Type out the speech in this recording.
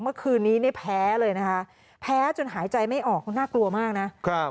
เมื่อคืนนี้เนี่ยแพ้เลยนะคะแพ้จนหายใจไม่ออกน่ากลัวมากนะครับ